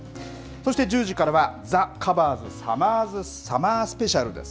そして、１０時からはＴｈｅＣｏｖｅｒｓサマースペシャルです。